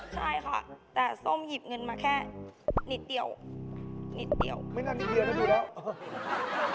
ใช่ค่ะแต่ส้มหยิบเงินมาแค่นิดเดียวนิดเดียวไม่น่านิดเดียวนะอยู่แล้ว